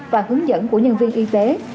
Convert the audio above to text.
và hướng dẫn của nhân viên y tế